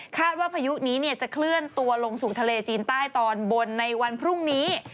ว่าพายุนี้จะเคลื่อนตัวลงสู่ทะเลจีนใต้ตอนบนในวันพรุ่งนี้